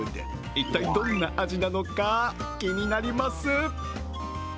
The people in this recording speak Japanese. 一体どんな味なのか、気になります。